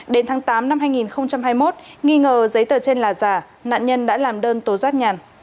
đến tháng tám năm hai nghìn hai mươi một nghi ngờ giấy tờ trên là giả nạn nhân đã làm đơn tố giác nhàn